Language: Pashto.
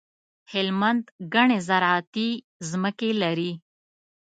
هلمند ګڼي زراعتي ځمکي لري.